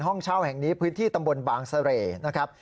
ห้องเช่าแห่งนี้พื้นที่ตำบลบางเสร่นะครับ